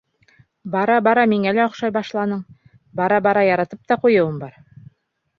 Бара-бара миңә лә оҡшай башланың, бара-бара яратып та ҡуйыуым бар.